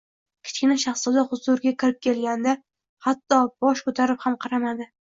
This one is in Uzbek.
Kichkina shahzoda huzuriga kirib kelganida hatto bosh ko‘tarib ham qaramadi.